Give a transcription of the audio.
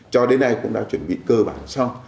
cho đến nay cũng đã chuẩn bị cơ bản xong